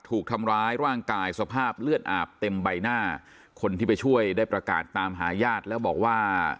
ถูกทำร้ายร่างกายสภาพเลือดอาบเต็มใบหน้าคนที่ไปช่วยได้ประกาศตามหาญาติแล้วบอกว่า